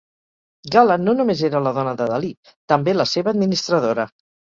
Gala no només era la dona de Dalí, també la seva administradora.